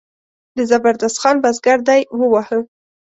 د زبردست خان بزګر دی وواهه.